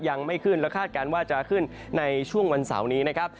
ยังไม่ขึ้นและคาดการณ์ว่าจะขึ้นในช่วงวันเสาร์นี้นะครับ